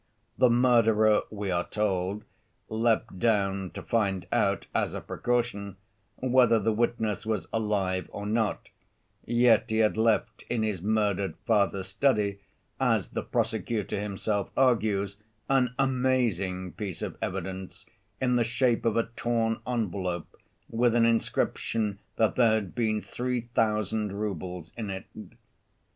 The murderer, we are told, leapt down to find out, as a precaution, whether the witness was alive or not, yet he had left in his murdered father's study, as the prosecutor himself argues, an amazing piece of evidence in the shape of a torn envelope, with an inscription that there had been three thousand roubles in it.